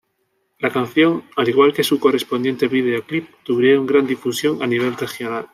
La canción, al igual que su correspondiente videoclip, tuvieron gran difusión a nivel regional.